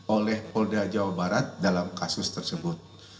oleh polda jawa barat dalam kasus tersebut